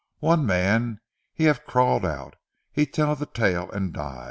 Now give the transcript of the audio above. One mans he have crawled out, he tell ze tale an' die.